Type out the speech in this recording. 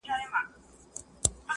لوی مشران تل جرئت لري